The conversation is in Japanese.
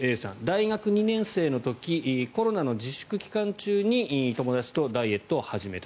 大学２年生の時コロナの自粛期間中に友達とダイエットを始めた。